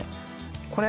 これ